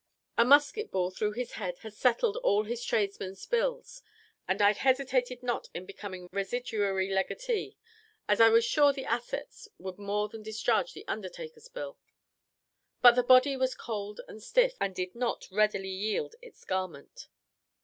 A musket ball through his head had settled all his tradesmen's bills; and I hesitated not in becoming residuary legatee, as I was sure the assets would more than discharge the undertaker's bill; but the body was cold and stiff, and did not readily yield its garment.